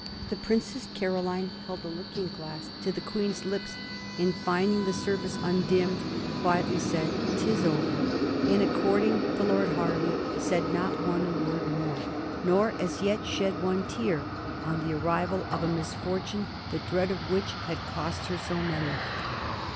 The Princess Caroline held a looking glass to the Queen's lips, and, finding the surface undimmed, quietly said, "'Tis over"; and, according to Lord Hervey, "said not one word more, nor as yet shed one tear, on the ar rival of a misfortune the dread of which had cost her so many."